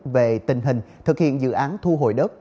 về tình hình thực hiện dự án thu hồi đất